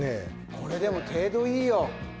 これでも程度いいよ。